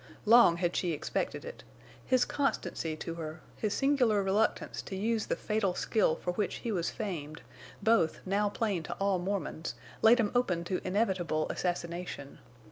Long had she expected it. His constancy to her, his singular reluctance to use the fatal skill for which he was famed—both now plain to all Mormons—laid him open to inevitable assassination.